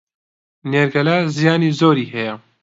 نێرگەلە زیانی زۆری هەیە